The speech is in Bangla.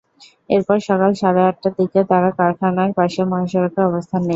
এরপর সকাল সাড়ে আটটার দিকে তাঁরা কারখানার পাশে মহাসড়কে অবস্থান নেন।